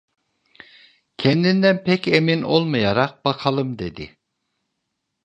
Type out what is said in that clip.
Kendinden pek emin olmayarak "Bakalım…" dedi.